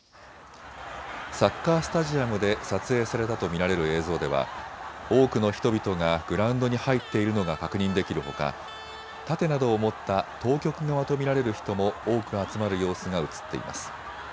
サッカースタジアムで撮影されたと見られる映像では多くの人々がグラウンドに入っているのが確認できるほか盾などを持った当局側と見られる人も多く集まる様子が映っています。